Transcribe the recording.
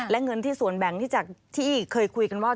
แล้วเงินที่สวนแบงคที่อีกเคยคุยกันว่า